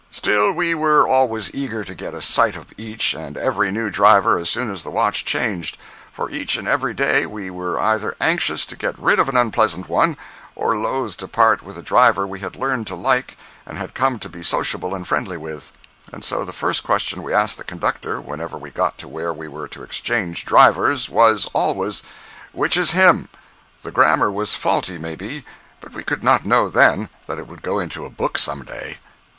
Still, we were always eager to get a sight of each and every new driver as soon as the watch changed, for each and every day we were either anxious to get rid of an unpleasant one, or loath to part with a driver we had learned to like and had come to be sociable and friendly with. And so the first question we asked the conductor whenever we got to where we were to exchange drivers, was always, "Which is him?" The grammar was faulty, maybe, but we could not know, then, that it would go into a book some day.